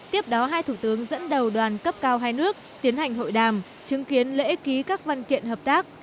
tiếp đó hai thủ tướng dẫn đầu đoàn cấp cao hai nước tiến hành hội đàm chứng kiến lễ ký các văn kiện hợp tác